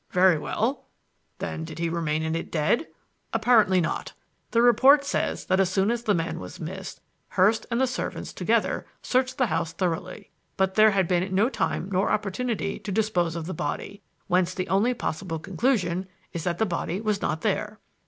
"Very well. Then did he remain in it dead? Apparently not. The report says that as soon as the man was missed, Hurst and the servants together searched the house thoroughly. But there had been no time or opportunity to dispose of the body, whence the only possible conclusion is that the body was not there.